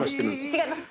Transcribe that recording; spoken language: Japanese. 違います。